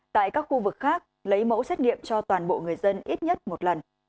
tại các khu vực khác lấy mẫu xét nghiệm cho toàn bộ người dân ít nhất một lần